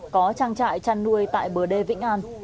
có trang trại chăn nuôi tại bờ đê vĩnh an